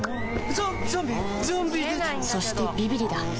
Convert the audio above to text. そしてビビリだ